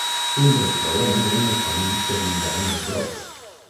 Un dels problemes eren els conills que es menjaven els brots.